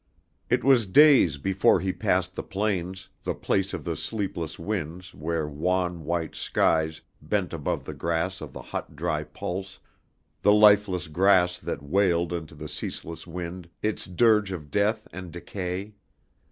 It was days before he passed the plains, the place of the sleepless winds where wan white skies bent above the grass of the hot dry pulse, the lifeless grass that wailed into the ceaseless wind its dirge of death and decay.